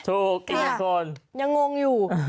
ถูกอีกคนยังงงอยู่